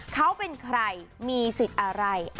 เขาเป็นใครมีสิทธิ์อะไร